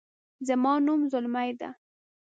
زما نوم زلمۍ ده